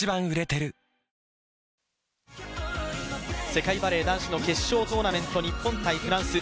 世界バレー男子の決勝トーナメント日本×フランス。